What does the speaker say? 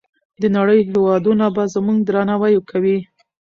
د نړۍ هېوادونه به زموږ درناوی کوي.